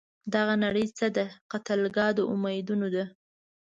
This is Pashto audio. دغه نړۍ څه ده؟ قتلګاه د امیدونو ده